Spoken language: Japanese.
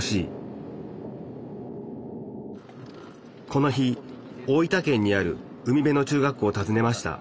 この日大分県にある海辺の中学校をたずねました。